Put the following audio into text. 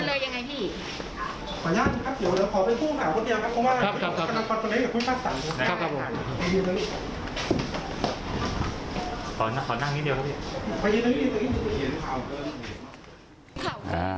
ขอนั่งนิดเดียวครับพี่